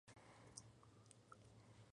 Tenía por cabecera a La Villa de Los Santos.